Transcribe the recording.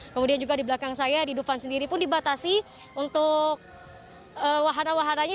kemudian juga di belakang saya di dufan sendiri pun dibatasi untuk wahana wahananya